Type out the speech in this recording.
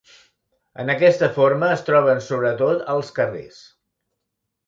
En aquesta forma es troben sobretot als carrers.